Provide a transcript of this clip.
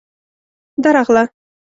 _درغله.